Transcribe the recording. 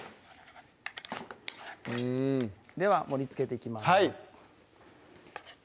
うんでは盛りつけていきます